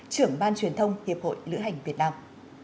trưởng ban truyền thông hiệp hội lữ hành việt nam